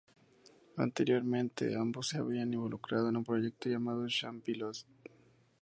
Anteriormente, ambos se habían involucrado en un proyecto llamado "Sham Pistols".